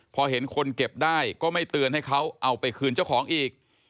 พอเห็นคนเก็บได้ก็ไม่เตือนให้เขาเอาไปคืนเจ้าของอีก